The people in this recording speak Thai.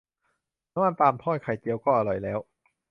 น้ำมันปาล์มทอดไข่เจียวก็อร่อยแล้ว